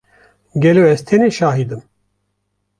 Gelo ez tenê şahid im?